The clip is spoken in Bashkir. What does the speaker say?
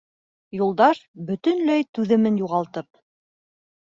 Юлдаш, бөтөнләй түҙемен юғалтып: